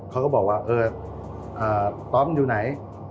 เขาก็บอกว่าต๊อปอยู่ไหน